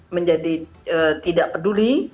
menjadi tidak peduli